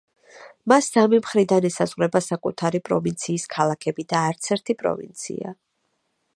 მას სამი მხრიდან ესაზღვრება საკუთარი პროვინციის ქალაქები და არც ერთი პროვინცია.